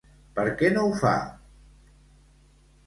Per què no ho fa?